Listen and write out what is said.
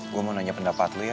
gue mau nanya pendapat lo